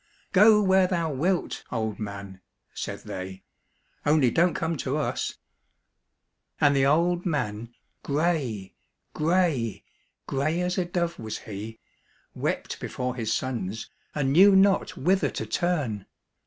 " Go where thou wilt, old man," said they, " only don't come to us." And the old man, grey, grey, grey as a dove was he, wept before his sons, and knew not whither to turn.